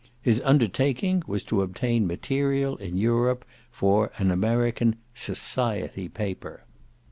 His undertaking was to obtain material in Europe for an American "society paper."